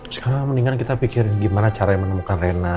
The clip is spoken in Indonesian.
sekarang mendingan kita pikirin gimana cara menemukan reina